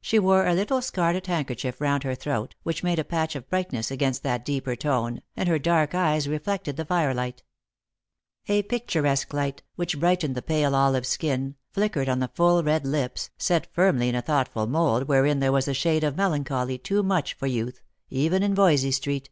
She wore a little scarlet handkerchief round her throat, which made a patch of brightness against that deeper tone, and her dark eyes reflected the firelight; a picturesque light, which brightened the pale olive skin, flickered on the full red lips, set firmly in a thoughtful mould wherein there was a shade of melancholy too much for youth, even in Voysey street.